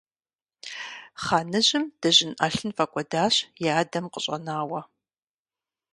Хъаныжьым дыжьын ӏэлъын фӀэкӀуэдащ и адэм къыщӀэнауэ.